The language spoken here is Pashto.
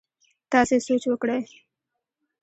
تاسي سوچ وکړئ!